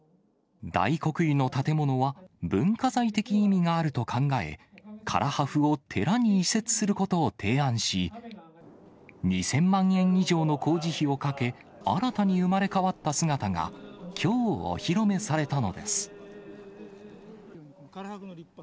大黒湯の建物は文化財的意味があると考え、唐破風を寺に移設することを提案し、２０００万円以上の工事費をかけ、新たに生まれ変わった姿が、きょうお披露目されたのです。